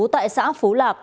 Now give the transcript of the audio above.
tại xã phú lạc